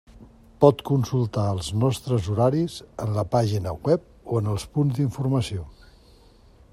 Pot consultar els nostres horaris en la pàgina web o en els punts d'informació.